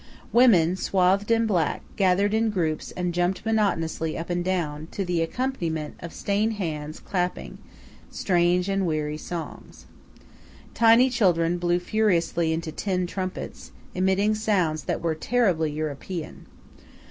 Women, swathed in black, gathered in groups and jumped monotonously up and down, to the accompaniment of stained hands clapping, and strange and weary songs. Tiny children blew furiously into tin trumpets, emitting sounds that were terribly European.